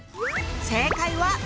正解は！